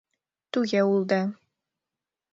— Туге улде.